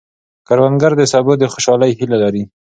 کروندګر د سبو د خوشحالۍ هیله لري